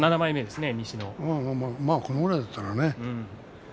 このぐらいだったらね